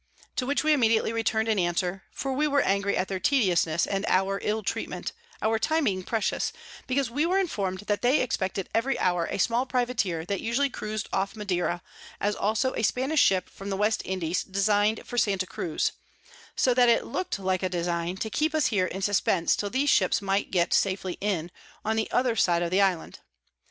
To which we immediately return'd an Answer; for we were angry at their Tediousness and our ill Treatment, our time being precious, because we were inform'd that they expected every hour a small Privateer that usually cruis'd off of Madera, as also a Spanish Ship from the West Indies design'd for Santa Cruz: So that it look'd like a Design, to keep us here in suspence till these Ships might get safely in, on the other side of the Island.